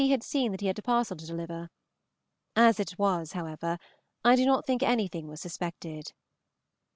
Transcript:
had seen that he had a parcel to deliver. As it was, however, I do not think anything was suspected.